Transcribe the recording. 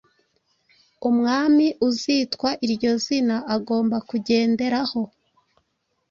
umwami uzitwa iryo zina agomba kugenderaho.